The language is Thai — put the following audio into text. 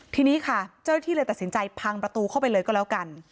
ทีนี้ค่ะเจ้าหน้าที่เลยตัดสินใจพังประตูเข้าไปเลยก็แล้วกัน